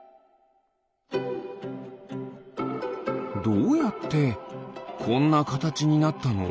どうやってこんなカタチになったの？